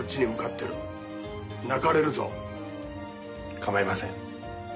構いません。